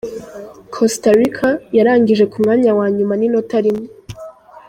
Costa Rica yarangije ku mwanya wa nyuma n’inota rimwe.